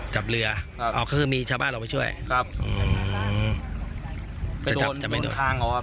จับเรืออ๋อเขาคือมีชาวบ้านเราไปช่วยฮูจับจะไม่โดน